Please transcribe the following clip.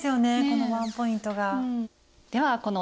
このワンポイントが。